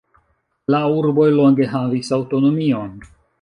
La urboj longe havis aŭtonomion.